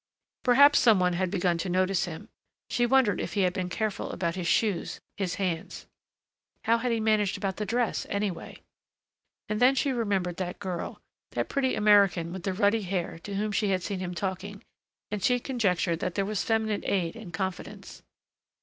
Perhaps some one had begun to notice him.... She wondered if he had been careful about his shoes, his hands.... How had he managed about the dress anyway? And then she remembered that girl, that pretty American with the ruddy hair to whom she had seen him talking, and she conjectured that there was feminine aid and confidence....